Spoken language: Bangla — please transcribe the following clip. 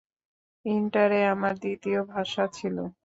ইন্টারে আমার দ্বিতীয় ভাষা ছিলো!